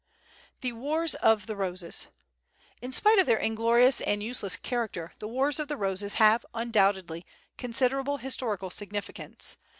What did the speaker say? The Wars of the Roses. In spite of their inglorious and useless character, the Wars of the Roses have, undoubtedly, considerable historical significance.